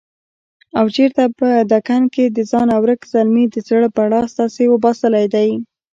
او چرته په دکن کښې دځانه ورک زلمي دزړه بړاس داسې وباسلے دے